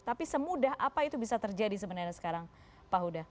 tapi semudah apa itu bisa terjadi sebenarnya sekarang pak huda